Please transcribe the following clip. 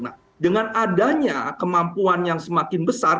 nah dengan adanya kemampuan yang semakin besar